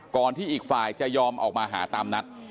ที่อีกฝ่ายจะยอมออกมาหาตามนัด